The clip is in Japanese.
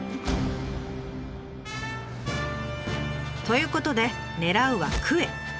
ということで狙うはクエ。